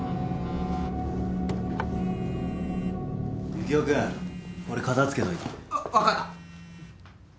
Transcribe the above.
幸男君これ片付けといて。わ分かった。